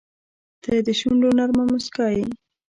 • ته د شونډو نرمه موسکا یې.